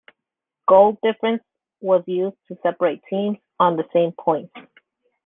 Goal difference was used to separate teams on the same points.